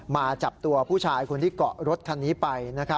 มาจับตัวผู้ชายคนที่เกาะรถคันนี้ไป